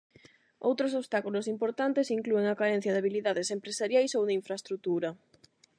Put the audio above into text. Outros obstáculos importantes inclúen a carencia de habilidades empresariais ou de infraestrutura.